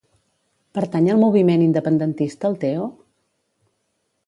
Pertany al moviment independentista el Teo?